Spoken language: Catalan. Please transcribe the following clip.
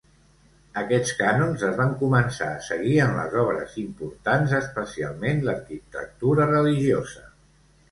Aquests cànons es van començar a seguir en les obres importants, especialment l'arquitectura religiosa.